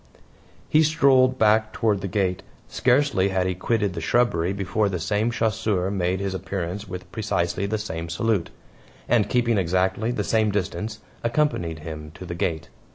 He strolled back toward the gate. Scarcely had he quitted the shrubbery before the same chasseur made his appearance with precisely the same salute; and, keeping exactly the same distance, accompanied him to the gate.